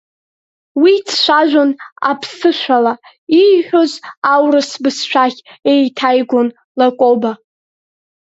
Уи дцәажәон аԥсы шәала, ииҳәоз аурыс бызшәахь еиҭеигон Лакоба.